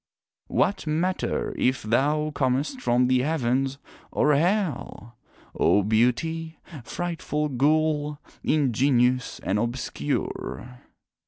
What matter, if thou comest from the Heavens or Hell, O Beauty, frightful ghoul, ingenuous and obscure!